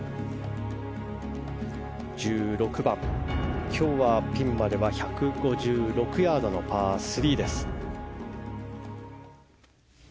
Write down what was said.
１６番、今日はピンまで１５６ヤードのパー３。